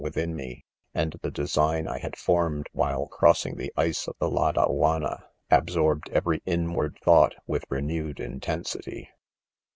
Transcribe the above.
within ;Me, ;, and the design I. had. formed while crossing the ice ■■ of tl , ■sorbed every inward thought with renewed .intensity.